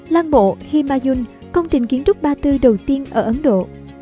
lan bộ himayun công trình kiến trúc ba tư đầu tiên ở ấn độ